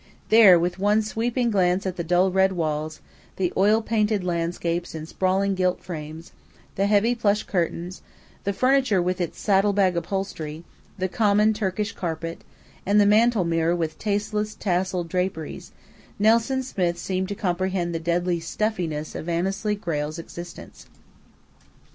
There, with one sweeping glance at the dull red walls, the oil painted landscapes in sprawling gilt frames, the heavy plush curtains, the furniture with its "saddle bag" upholstery, the common Turkish carpet, and the mantel mirror with tasteless, tasselled draperies, "Nelson Smith" seemed to comprehend the deadly "stuffiness" of Annesley Grayle's existence.